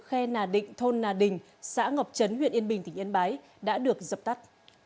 khe nà định thôn nà đình xã ngọc trấn huyện yên bình tỉnh yên bái đã được dập tắt